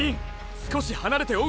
少し離れて追う